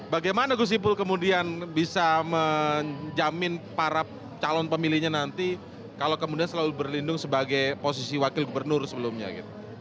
bagaimana gus ipul kemudian bisa menjamin para calon pemilihnya nanti kalau kemudian selalu berlindung sebagai posisi wakil gubernur sebelumnya gitu